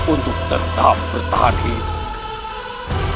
untuk tetap bertahan hidup